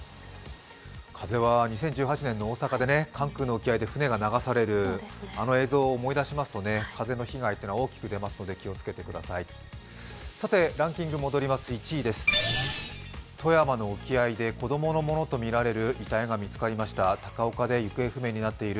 風は２０１８年の大阪で関空の沖合で船が流されるあの映像を思い出しますと風の被害というのは大きく出ますので気をつけてください。